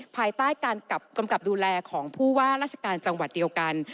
ภายใต้การกำกับดูแลของผู้ว่าราชการจังหวัดเดียวกัน